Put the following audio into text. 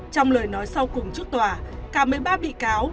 trong lời nói sau cùng trước tòa cả một mươi ba bị cáo